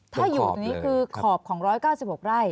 ถ้าอยู่ตรงนี้คือขอบของ๑๙๖ไร่